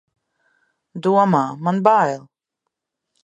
Domā, man bail!